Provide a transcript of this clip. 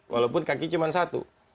walaupun kaki cuma satu